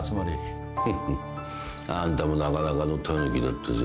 フフッあんたもなかなかのたぬきだったぜ。